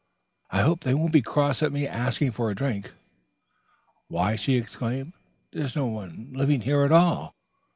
"I hope they won't be cross at my asking for a drink. Why," she exclaimed, "there's no one living here at all.